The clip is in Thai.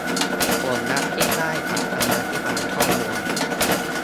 ผลลัพธ์ที่ได้จากธรรมาภิบาลข้อมูล